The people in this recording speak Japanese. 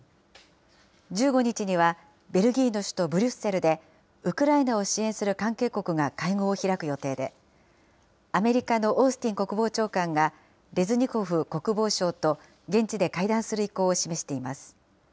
１５日には、ベルギーの首都ブリュッセルで、ウクライナを支援する関係国が会合を開く予定で、アメリカのオースティン国防長官が、レズニコフ国防相と現地で会談する意向を示しています。